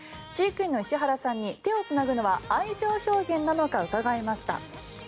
飼育員の石原さんに手をつなぐのは愛情表現なのか伺いました。